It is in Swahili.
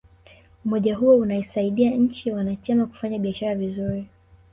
umoja huo unasaidia nchi wanachama kufanya biashara vizuri